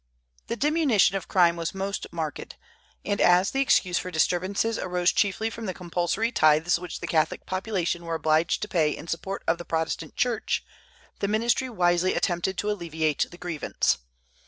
The diminution of crime was most marked; and as the excuse for disturbances arose chiefly from the compulsory tithes which the Catholic population were obliged to pay in support of the Protestant Church, the ministry wisely attempted to alleviate the grievance.